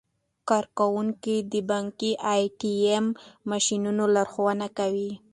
کارکوونکي د بانکي ای ټي ایم ماشینونو لارښوونه کوي.